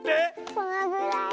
このぐらいで。